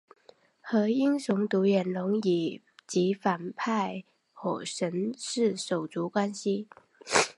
和英雄独眼龙及反派火神是手足关系。